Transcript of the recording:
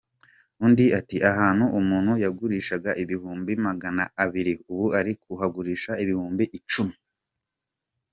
Undi ati “Ahantu umuntu yagurishaga ibihumbi magana abiri ubu ari kuhagurisha ibihumbi icumi .